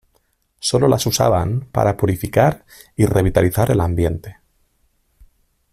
Sólo las usaban para purificar y revitalizar el ambiente.